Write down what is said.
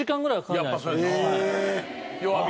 やっぱそうやな。